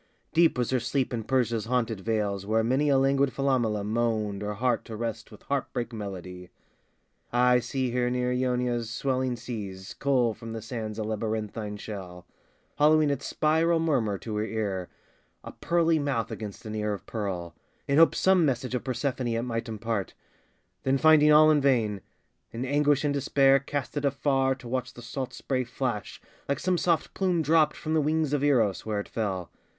Deep was her sleep in Persia's haunted vales, Where many a languid Philomela moaned Her heart to rest with heartbreak melody. I see her near Ionia's swelling seas Cull from the sands a labyrinthine shell, Hollowing its spiral murmur to her ear, A pearly mouth against an ear of pearl, In hope some message of Persephone It might impart; then finding all in vain, In anguish and despair, cast it afar, To watch the salt spray flash, like some soft plume Dropped from the wings of Eros, where it fell.